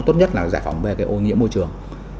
tốt nhất là giải phóng về cái ô nhiễm môi trường